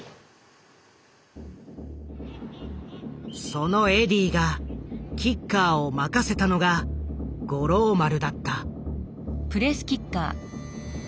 そのエディーがキッカーを任せたのが五郎丸だった。